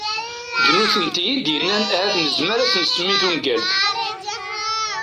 D nutenti i d-yennan ahat nezmer ad as-nsemmi tungalt.